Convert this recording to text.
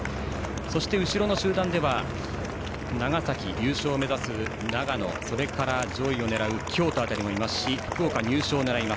そして後ろの集団では長崎、優勝を目指す長野それから上位を狙う京都辺りもいますし福岡、入賞狙います。